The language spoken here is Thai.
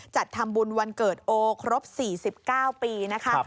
จัดทำบุญวันเกิดโอครบ๔๙ปีนะคะ